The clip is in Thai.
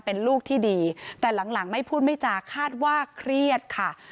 เป็นลูกที่ดีแต่หลังไม่พูดไม่จาคาดว่าเครียดค่ะ